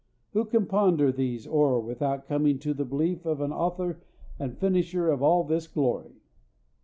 Who can ponder these o'er without coming to the belief of an author and finisher of all this glory?